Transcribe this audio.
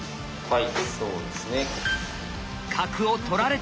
はいそうですね。